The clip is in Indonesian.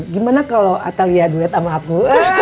gimana kalau atalia duet sama aku